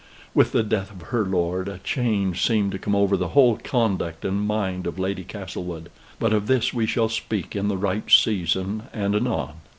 With the death of her lord, a change seemed to come over the whole conduct and mind of Lady Castlewood; but of this we shall speak in the right season and anon.